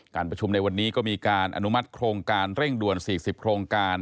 ประชุมในวันนี้ก็มีการอนุมัติโครงการเร่งด่วน๔๐โครงการ